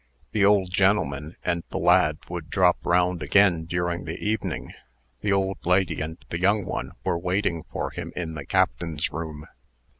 The old gen'leman and the lad would drop round again during the evening. The old lady and the young one were waiting for him in the captain's room.